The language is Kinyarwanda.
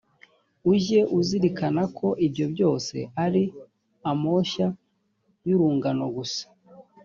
ujye uzirikana ko ibyo byose ari amoshya y’urungano gusa